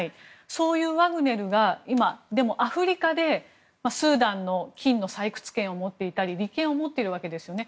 そういうワグネルが今、でもアフリカでスーダンの金の採掘権を持っていたり利権を持っているわけですよね。